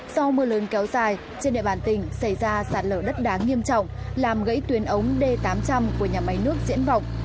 do mưa lớn kéo dài trên địa bàn tỉnh xảy ra sạt lở đất đá nghiêm trọng làm gãy tuyến ống d tám trăm linh của nhà máy nước diễn vọng